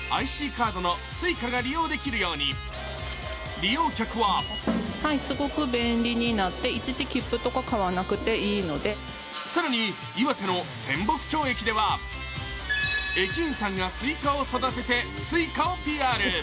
利用客は更に岩手の仙北町駅では駅員さんがスイカを育ててＳｕｉｃａをＰＲ。